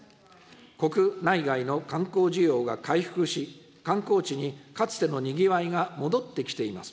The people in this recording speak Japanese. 国内外の観光需要が回復し、観光地にかつてのにぎわいが戻ってきています。